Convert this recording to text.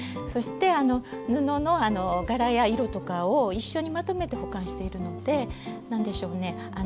そして布の柄や色とかを一緒にまとめて保管しているので何でしょうね